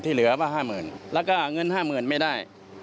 ๕๐๐๐๐ที่เหลือว่า๕๐๐๐๐แล้วก็เงินห้ามือไม่ได้